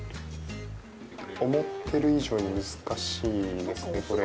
思ってる以上に難しいですね、これ。